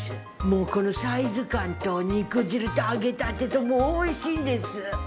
もうこのサイズ感と肉汁と揚げたてともう美味しいんです。